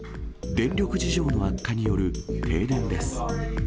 電力事情の悪化による停電です。